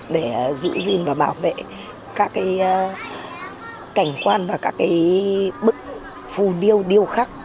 để giữ gìn và bảo vệ các cảnh quan và các bức phù điêu điêu khắc